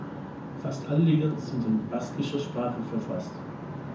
Fast alle Lieder sind in baskischer Sprache verfasst.